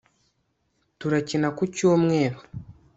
turakina ku cyumweru